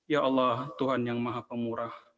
ya allah tuhan yang maha pemurah